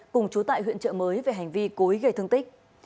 cùng chú tại huyện trợ mới về hành vi cối gây thương tích